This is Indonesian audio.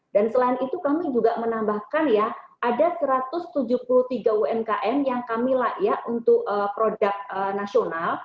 dan selain itu kami juga menambahkan ya ada satu ratus tujuh puluh tiga umkm yang kami layak untuk produk nasional